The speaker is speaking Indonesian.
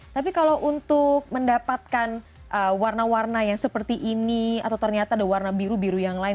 tapi kalau untuk mendapatkan warna warna yang seperti ini atau ternyata ada warna biru biru yang lain